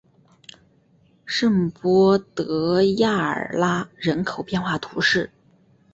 圣波德雅尔拉人口变化图示